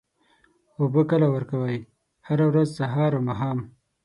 اوبه کله ورکوئ؟ هره ورځ، سهار او ماښام